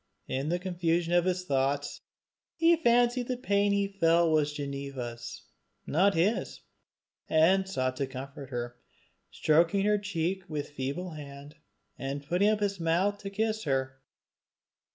In the confusion of his thoughts he fancied the pain he felt was Ginevra's, not his, and sought to comfort her, stroking her cheek with feeble hand, and putting up his mouth to kiss her.